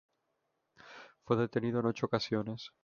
Fue detenido en ocho ocasiones.